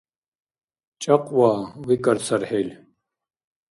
— ЧӀакьва, — викӀар цархӀил.